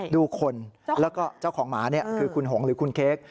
ดูคนแล้วก็เจ้าของหมาคือคุณหงหรือคุณเค้ก